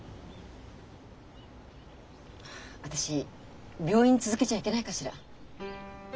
私病院続けちゃいけないかしら？